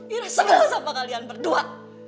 iroh sumpah sama kalian berdua